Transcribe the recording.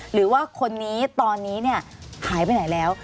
หรือว่าคนนี้ตอนนี้เนี่ยหายไปไหนแล้ว